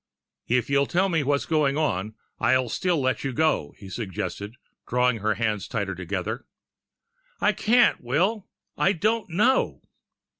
"If you'll tell me what's going on, I'll still let you go," he suggested, drawing her hands tighter together. "I can't, Will. I don't know."